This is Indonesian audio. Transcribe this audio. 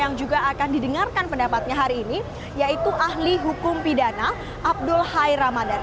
yang juga akan didengarkan pendapatnya hari ini yaitu ahli hukum pidana abdul hai ramadan